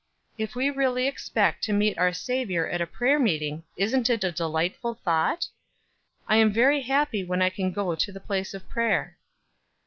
If we really expect to meet our Savior at a prayer meeting, isn't it a delightful thought? I am very happy when I can go to the place of prayer."